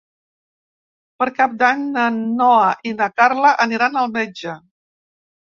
Per Cap d'Any na Noa i na Carla aniran al metge.